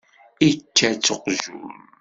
Ičča-tt uqjun.